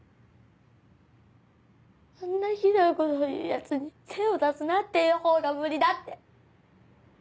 あんなひどいことを言うヤツに手を出すなっていうほうが無理だって。